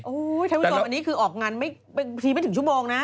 โอ้ยไทยวิทยาลัยกรอบอันนี้คือออกงานทีไม่ถึงชั่วโมงนะ